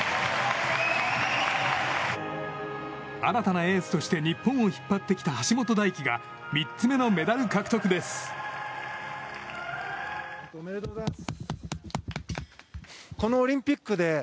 新たなエースとして、日本を引っ張ってきた橋本大輝が３つ目のメダル獲得です。